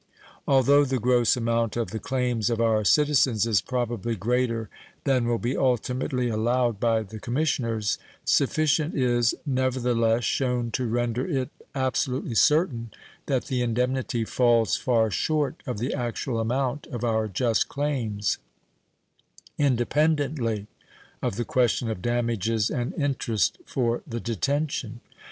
Although the gross amount of the claims of our citizens is probably greater than will be ultimately allowed by the commissioners, sufficient is, never the less, shown to render it absolutely certain that the indemnity falls far short of the actual amount of our just claims, independently of the question of damages and interest for the detention.